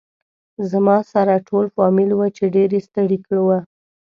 زما سره ټول فامیل و چې ډېر ستړي و.